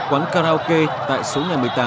quán karaoke tại số ngày một mươi tám